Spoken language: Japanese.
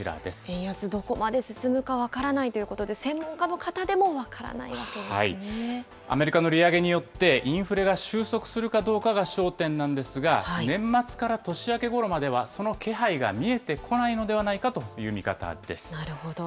円安どこまで進むか分からないということで、専門家の方でもアメリカの利上げによって、インフレが収束するかどうかが焦点なんですが、年末から年明けごろまではその気配が見えてこないのではないかとなるほど。